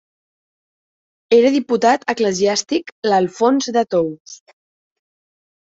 Era diputat eclesiàstic l'Alfons de Tous.